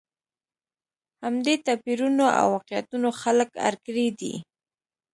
همدې توپیرونو او واقعیتونو خلک اړ کړي دي.